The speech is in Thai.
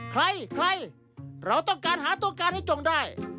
ใครใครเราต้องการหาตัวการให้จงได้